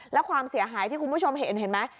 แล้วความเสียหายที่คุณผู้ชมเห็นเห็นไหม